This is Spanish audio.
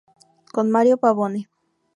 Con Mario Pavone